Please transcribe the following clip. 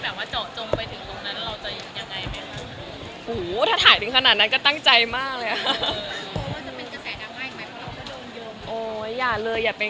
บางอย่างจะซ่อนเข้าหนักอย่างนี้ไหม